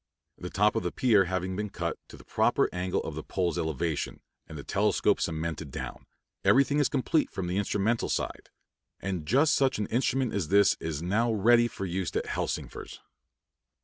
The top of the pier having been cut to the proper angle of the pole's elevation, and the telescope cemented down, everything is complete from the instrumental side; and just such an instrument as this is now ready for use at Helsingfors.